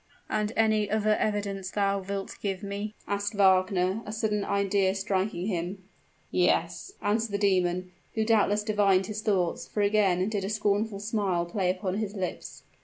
"And any other evidence thou wilt give me?" asked Wagner, a sudden idea striking him. "Yes," answered the demon, who doubtless divined his thoughts, for again did a scornful smile play upon his lips.